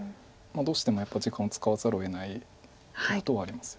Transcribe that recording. どうしてもやっぱ使わざるをえないっていうことはありますよね。